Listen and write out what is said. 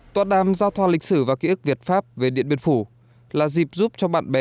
tọa đàm giao thoa lịch sử và ký ức việt pháp về điện biên phủ là dịp giúp cho bạn bè